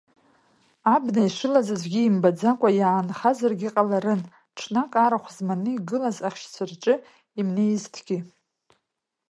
Абна ишылаз аӡәгьы имбаӡакәа иаанхазаргьы ҟаларын, ҽнак арахә зманы игылаз ахьшьцәа рҿы имнеизҭгьы.